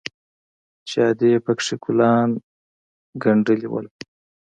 چې ادې پکښې ګلان گنډلي وو.